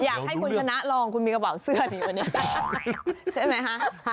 อยากให้คุณชนะลองคุณมีกระเป๋าเสื้ออยู่นี้